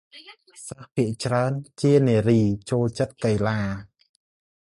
សិស្សភាគច្រើនជានារី ចូលចិត្តកីឡា ។